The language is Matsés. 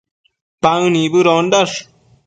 Paë nibëdondash